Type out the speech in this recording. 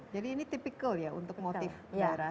jadi ini tipikal ya untuk motif daerah